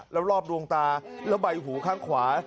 แล้วรอบดวงตาแล้วใบหูข้างขวา